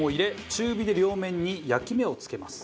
中火で両面に焼き目をつけます。